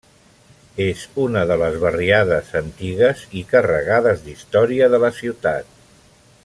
És una de les barriades antigues i carregades d'història de la ciutat.